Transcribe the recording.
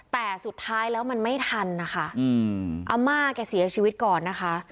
แต่สุดท้ายแล้วมันไม่ทันนะคะอาม่าแกเสียชีวิตก่อนนะคะ